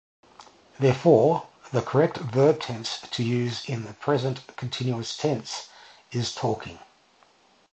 Therefore, the correct verb tense to use is the present continuous tense, "is talking".